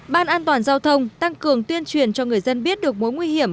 ban an toàn giao thông tăng cường tuyên truyền cho người dân biết được mối nguy hiểm